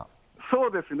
そうですね。